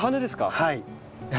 はい。